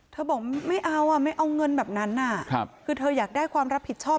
บอกไม่เอาอ่ะไม่เอาเงินแบบนั้นคือเธออยากได้ความรับผิดชอบ